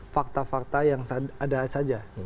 fakta fakta yang ada saja